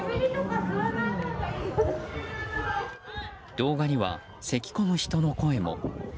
動画には、せき込む人の声も。